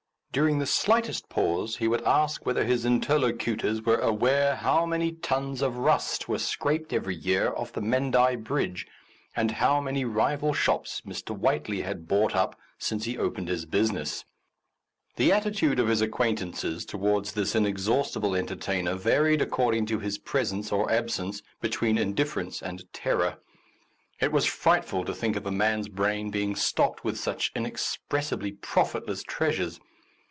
During the shortest pause he would ask whether his interlocutors were aware how many tons of rust were scraped every year off the Menai [i6] A Defence of Useful Information Bridge, and how many rival shops Mr. Whiteley had bought up since he opened his business. The attitude of his acquaint ances towards this inexhaustible enter tainer varied according to his presence or absence between indifference and terror. It was frightful to think of a man's brain being stocked with such inexpressibly profit less treasures.